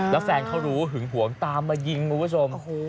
แล้วแฟนเขารู้หึงหวงตามมายิงมค